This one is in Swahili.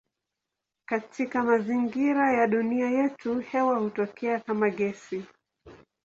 Katika mazingira ya dunia yetu hewa hutokea kama gesi.